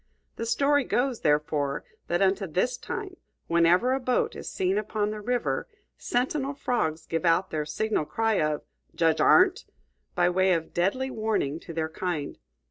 The story goes, therefore, that unto this time whenever a boat is seen upon the river, sentinel frogs give out the signal cry of "Judge Arndt!" by way of deadly warning to their kind.